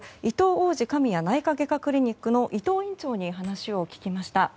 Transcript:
王子神谷内科外科クリニックの伊藤院長に話を聞きました。